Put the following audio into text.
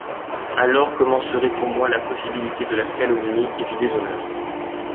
Alors commencerait pour moi la possibilité de la calomnie et du déshonneur.